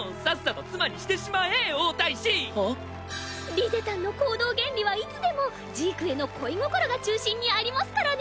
リゼたんの行動原理はいつでもジークへの恋心が中心にありますからね。